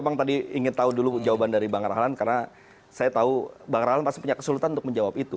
bang tadi ingin tahu dulu jawaban dari bang rahlan karena saya tahu bang rahlan pasti punya kesulitan untuk menjawab itu